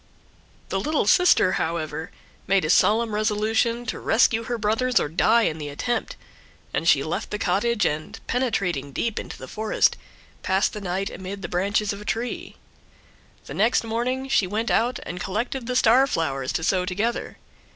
The little sister, however, made a solemn resolution to rescue her brothers or die in the attempt; and she left the cottage, and, penetrating deep into the forest, passed the night amid the branches of a tree. The next morning she went out and collected the star flowers to sew together.